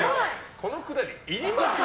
このくだり、いりますか？